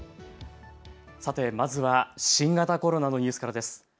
さて、まずは新型コロナのニュースからです。